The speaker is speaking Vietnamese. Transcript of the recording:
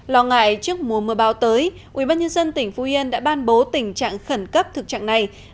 lo ngại trước mùa mưa bão tới ubnd tỉnh phú yên đã ban bố tình trạng khẩn cấp thực trạng này